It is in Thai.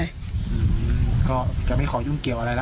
อืมก็จะไม่ขอยุ่งเกี่ยวอะไรแล้ว